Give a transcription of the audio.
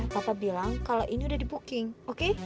bapak bilang kalau ini udah di booking oke